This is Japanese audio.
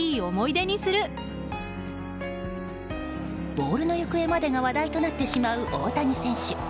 ボールの行方までが話題となってしまう、大谷選手。